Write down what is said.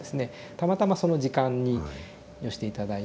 たまたまその時間に寄せて頂いて。